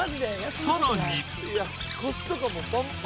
さらに